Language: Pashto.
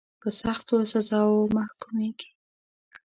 په سختو سزاوو محکومیږي.